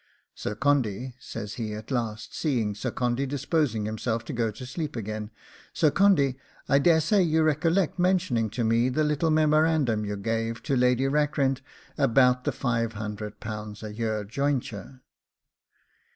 'Sir Condy,' says he at last, seeing Sir Condy disposing himself to go to sleep again, 'Sir Condy, I daresay you recollect mentioning to me the little memorandum you gave to Lady Rackrent about the £500 a year jointure.